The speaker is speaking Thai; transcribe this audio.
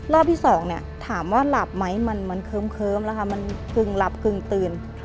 รอบที่สองเนี่ยถามว่าหลับไหมมันเคิ้มแล้วค่ะมันกึ่งหลับกึ่งตื่น